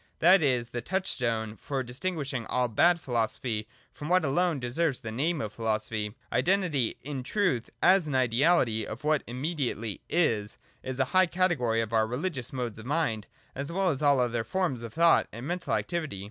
That is the touch stone for distinguishing all bad philosophy from what alone deserves the name of philosophy. Identity in its truth, as an Ideality of what immediately is, is a high category for our religious modes of mind as well as all other forms of thought and mental activity.